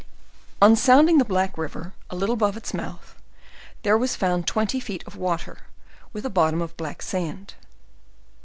On sounding the Black river, a little above its mouth, there was found twenty feet of water, with a bottom of black sand.